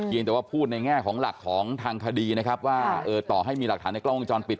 ยังแต่ว่าพูดในแง่ของหลักของทางคดีนะครับว่าต่อให้มีหลักฐานในกล้องวงจรปิด